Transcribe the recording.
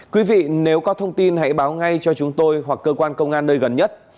quý vị nếu có thông tin hãy báo ngay cho chúng tôi hoặc cơ quan công an nơi gần nhất